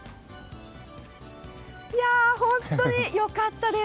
いや、本当に良かったです。